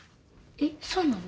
えっそうなの？